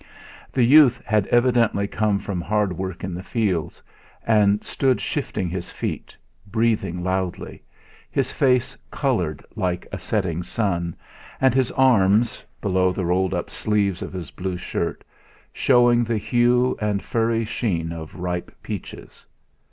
The youth had evidently come from hard work in the fields, and stood shifting his feet, breathing loudly, his face coloured like a setting sun, and his arms, below the rolled up sleeves of his blue shirt, showing the hue and furry sheen of ripe peaches.